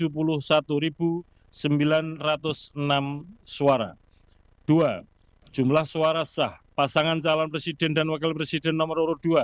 kesatu jumlah suara sah pasangan calon presiden dan wakil presiden nomor dua